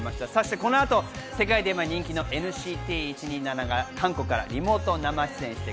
この後世界で今人気のＮＣＴ１２７が韓国からリモート生出演です。